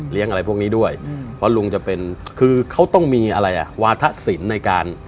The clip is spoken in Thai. เลี้ยงอะไรพวกนี้ด้วยเพราะลุงจะเป็นคือเขาต้องมีวาถสินในการ